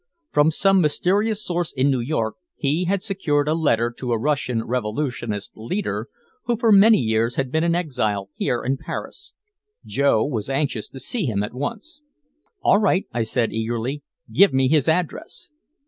From some mysterious source in New York he had secured a letter to a Russian revolutionist leader who for many years had been an exile here in Paris. Joe was anxious to see him at once. "All right," I said eagerly. "Give me his address."